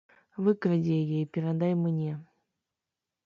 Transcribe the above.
Выкрадзі яе і перадай мне.